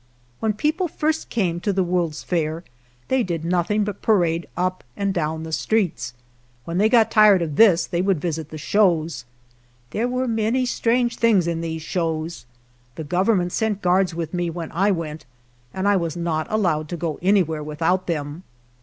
When people first came to the World's Fair they did nothing but parade up and down the streets. When they got tired of this they would visit the shows. There were many strange things in these shows. The Government sent guards with me when I went, and I was not allowed to go anywhere without them.